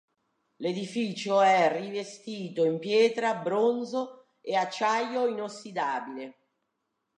L'edificio è rivestito in pietra, bronzo e acciaio inossidabile.